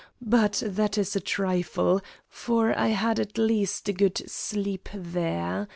But that is a trifle for I had at least a good sleep there.